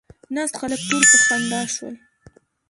ناست خلک ټول په خندا شول.